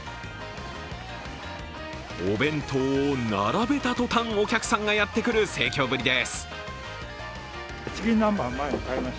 お弁当を並べたとたん、お客さんがやってくる盛況ぶりです。